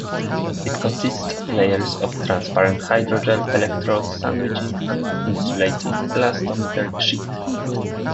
It consists of layers of transparent hydrogel electrodes sandwiching an insulating elastomer sheet.